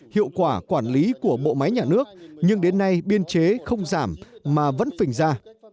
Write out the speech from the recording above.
hiệu quả quản lý của bộ máy nhà nước nhưng đến nay biên chế không giảm mà vẫn phình ra